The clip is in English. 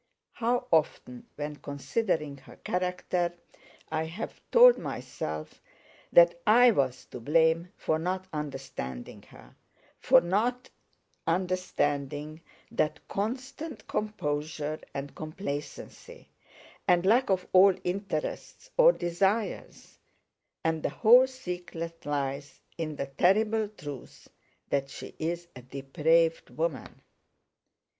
How often when considering her character I have told myself that I was to blame for not understanding her, for not understanding that constant composure and complacency and lack of all interests or desires, and the whole secret lies in the terrible truth that she is a depraved woman.